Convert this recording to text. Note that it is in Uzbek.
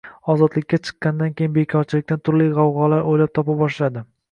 Ozodlikka chiqqandan keyin bekorchilikdan turli g`avg`olar o`ylab topa boshladi